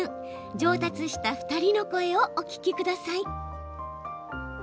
上達した２人の声をお聞きください。